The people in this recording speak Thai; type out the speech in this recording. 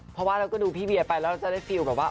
เพราะว่าเราก็ดูพี่เวียไปแล้วเราจะได้ฟิลแบบว่า